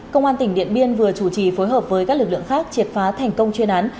công an tỉnh điện biên vừa chủ trì phối hợp với các lực lượng khác triệt phá thành công chuyên án